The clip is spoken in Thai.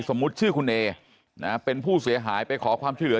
สมมุติชื่อคุณเอนะเป็นผู้เสียหายไปขอความช่วยเหลือ